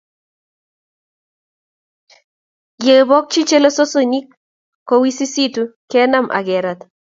Ye bokchi chelososinik kowisisitu kenam akerat